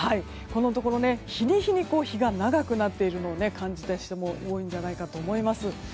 このところ、日に日に日が長くなっているのを感じた人も多いと思います。